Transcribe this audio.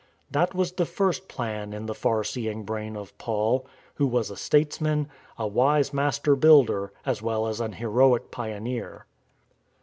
That was the first plan in the far seeing brain of Paul, who was a statesman, " a wise master builder," as well as an heroic pioneer.